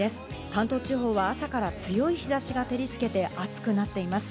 関東地方は朝から強い日差しが照りつけて暑くなっています。